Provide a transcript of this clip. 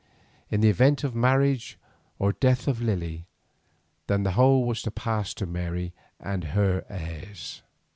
In the event of the marriage or death of Lily, then the whole was to pass to Mary and her heirs.